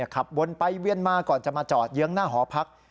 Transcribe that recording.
ขับวนไปเวียนมาก่อนจะมาจอดเยื้องหน้าหอพัก